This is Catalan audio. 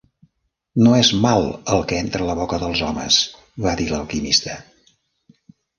"No és mal el que entra a la boca dels homes", va dir l'alquimista.